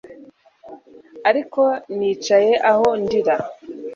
ariko nicaye aho ndira